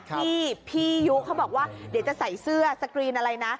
ที่พี่ยุเขาบอกว่าเดี๋ยวจะใส่เสื้อสกรีนอะไรนะ